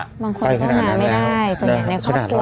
บางคนก็มาไม่ได้ส่วนใหญ่ในครอบครัว